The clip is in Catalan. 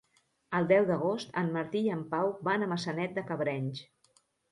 El deu d'agost en Martí i en Pau van a Maçanet de Cabrenys.